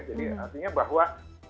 jadi artinya bahwa